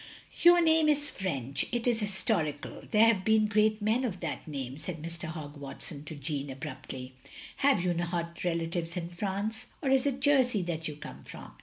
"Your name is Prench. It is historical. There have been great men of that name, " said Mr. Hogg Watson to Jeanne, abruptly. "Have you not relatives in Prance? Or is it Jersey that you come from?"